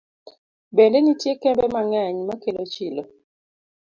Bende nitie kembe mang'eny ma kelo chilo.